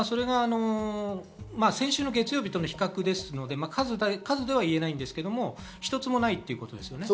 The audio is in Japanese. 先週月曜日との比較ですので、数では言えませんが１つもないということです。